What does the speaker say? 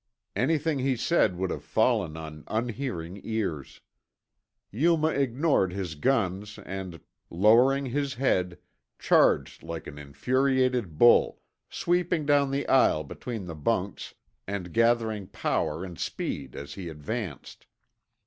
Anything he said would have fallen on unhearing ears. Yuma ignored his guns and, lowering his head, charged like an infuriated bull, sweeping down the aisle between the bunks and gathering power and speed as he advanced.